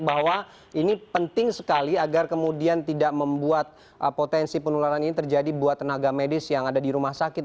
bahwa ini penting sekali agar kemudian tidak membuat potensi penularan ini terjadi buat tenaga medis yang ada di rumah sakit